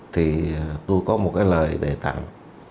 thì tôi có một cái lời đề tặng